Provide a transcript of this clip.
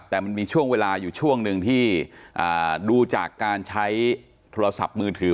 แต่มันมีช่วงเวลาอยู่ช่วงหนึ่งที่ดูจากการใช้โทรศัพท์มือถือ